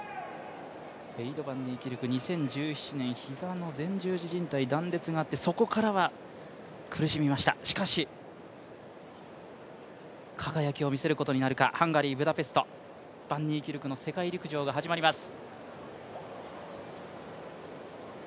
ウェイド・バンニーキルク、２０１７年、膝の前十字じん帯の断裂があってそこからはしかし、輝きを見せることになるかバンニーキルクの世界陸上が始まります。